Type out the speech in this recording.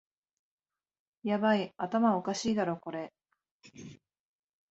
ヤバい、頭おかしいだろこれ